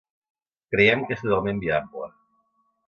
Creiem que és totalment viable.